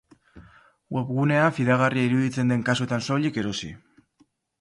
Webgunea fidagarria iruditzen den kasuetan soilik erosi.